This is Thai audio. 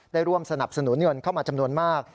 ได้ร่วมสนับสนุนเงินเข้ามาจำนวนมาก